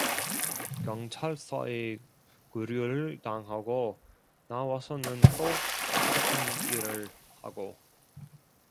경찰서에 구류를 당하고, 나와서는 또 같은 일을 하고